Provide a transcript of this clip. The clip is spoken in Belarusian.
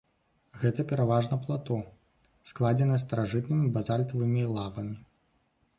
Гэта пераважна плато, складзеныя старажытнымі базальтавымі лавамі.